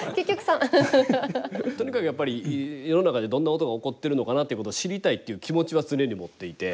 とにかくやっぱり世の中でどんなことが起こってるのかなっていうことを知りたいっていう気持ちは常に持っていて。